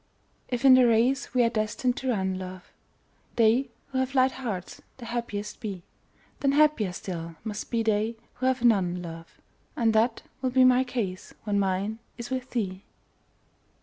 If in the race we are destined to run, love, They who have light hearts the happiest be, Then happier still must be they who have none, love. And that will be my case when mine is with thee.